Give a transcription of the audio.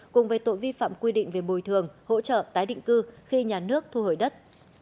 cùng với tội vi phạm quy định về bồi thường hỗ trợ tái định cư khi nhà nước thu hồi đất